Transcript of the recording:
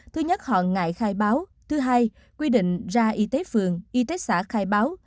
thứ nhất họ ngại khai báo thứ hai quy định ra y tế phường y tế xã khai báo